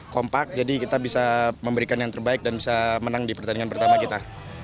kompak jadi kita bisa memberikan yang terbaik dan bisa menang di pertandingan pertama kita